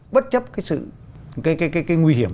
bất chấp cái sự cái cái cái cái nguy hiểm